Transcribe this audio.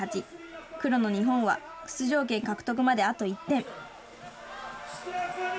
黒の日本は出場権獲得まであと１点。